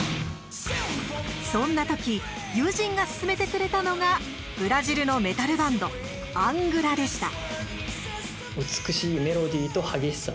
そんな時、友人がすすめてくれたのがブラジルのメタルバンドアングラでした。